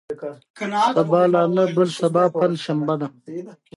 لومړي وزیر ماوو وهڅاوه چې دینګ مرستیال وټاکي.